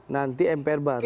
nanti mpr baru